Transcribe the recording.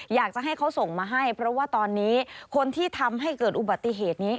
อยากจะให้เขาส่งมาให้เพราะว่าตอนนี้คนที่ทำให้เกิดอุบัติเหตุนี้